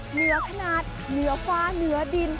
เหนือขนาดเหนือฟ้าเหนือดิน